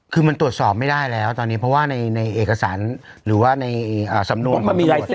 คือมันตรวจสอบไม่ได้แล้วตอนนี้เพราะว่าในเอกสารหรือว่าในสำนวน